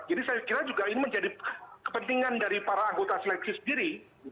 jadi saya kira juga ini menjadi kepentingan dari para anggota seleksi sendiri